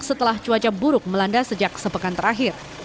setelah cuaca buruk melanda sejak sepekan terakhir